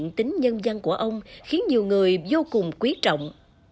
những việc làm mang đầy tính thiện tính nhân dân của ông khiến nhiều người vô cùng quý trọng